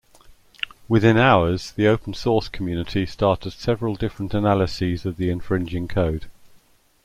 Within hours, the open source community started several different analyses of the infringing code.